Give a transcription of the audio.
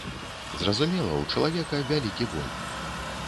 Зразумела, у чалавека вялікі боль.